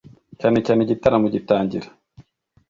Cyane cyane igitaramo gitangira